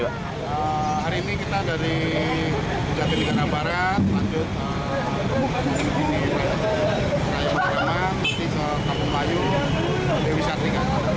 hari ini kita dari jantan negara barat lanjut ke kampung bayu dewi sartika